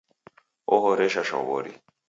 O'horesha shwa wori